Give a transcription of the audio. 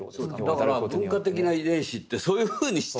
だから文化的な遺伝子ってそういうふうにして。